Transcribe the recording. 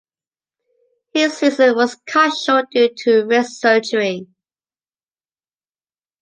His season was cut short due to wrist surgery.